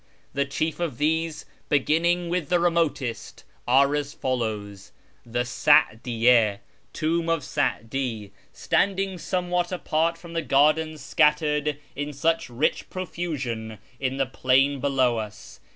The chief of these, beginning with the remotest, are as follows :— The Sadiyy6 (Tomb of Sa'di) standing somewhat apart from the gardens scattered in such rich profusion in the plain below us.